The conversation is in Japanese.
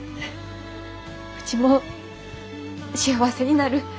うちも幸せになる！